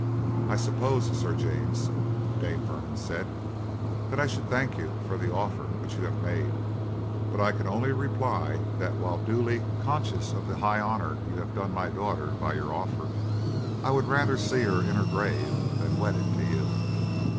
"I suppose, Sir James," Dame Vernon said, "that I should thank you for the offer which you have made; but I can only reply, that while duly conscious of the high honour you have done my daughter by your offer, I would rather see her in her grave than wedded to you."